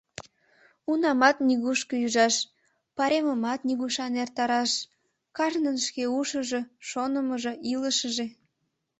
Унамат нигушко ӱжаш, пайремымат нигушан эртараш — кажнын шке ушыжо, шонымыжо, илышыже.